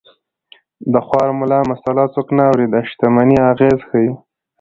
د خوار ملا مساله څوک نه اوري د شتمنۍ اغېز ښيي